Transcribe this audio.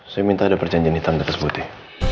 saya minta ada perjanjian hitam atas putih